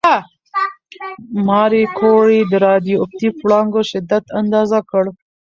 ماري کوري د راډیواکټیف وړانګو شدت اندازه کړ.